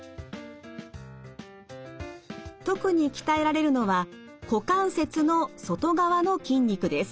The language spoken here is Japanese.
特に鍛えられるのは股関節の外側の筋肉です。